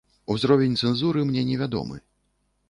Узровень цэнзуры мне невядомы.